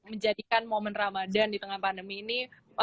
menjadikan momen ramadan di tengah pandemi ini